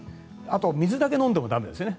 あと水だけ飲んでも駄目ですね。